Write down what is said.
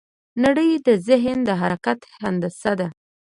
نړۍ د ذهن د حرکت هندسه ده.